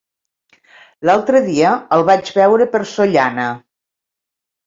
L'altre dia el vaig veure per Sollana.